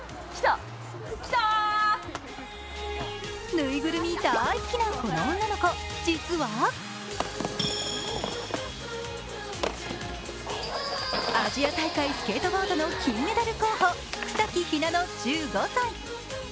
ぬいぐるみ大好きなこの女の子実はアジア大会スケートボードの金メダル候補草木ひなの１５歳。